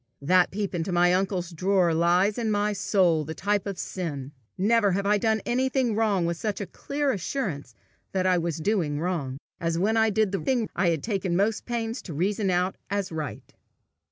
That peep into my uncle's drawer lies in my soul the type of sin. Never have I done anything wrong with such a clear assurance that I was doing wrong, as when I did the thing I had taken most pains to reason out as right.